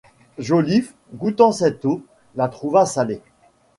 Joliffe, goûtant cette eau, la trouva salée.